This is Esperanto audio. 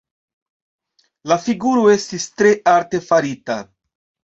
La figuro estis tre arte farita.